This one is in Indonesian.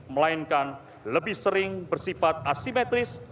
melainkan lebih sering bersifat asimetris